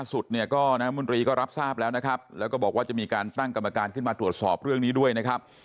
สุดเนี่ยก็น้ำมนตรีก็รับทราบแล้วนะครับแล้วก็บอกว่าจะมีการตั้งกรรมการขึ้นมาตรวจสอบเรื่องนี้ด้วยนะครับ